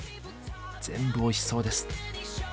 全部おいしそうです。